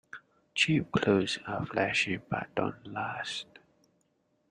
Cheap clothes are flashy but don't last.